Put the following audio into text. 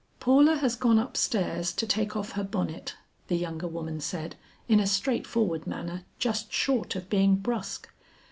"Paula has gone up stairs to take off her bonnet," the younger woman said in a straightforward manner just short of being brusque.